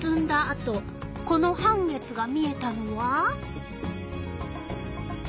あとこの半月が見えたのは。